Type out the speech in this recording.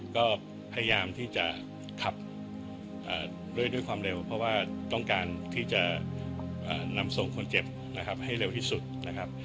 ก็พยายามที่จะขับด้วยความเร็วเพราะว่าต้องการที่จะนำส่งคนเจ็บนะครับให้เร็วที่สุดนะครับ